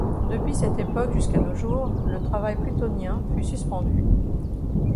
Depuis cette époque jusqu’à nos jours, le travail plutonien fut suspendu.